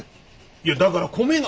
いやだから米が。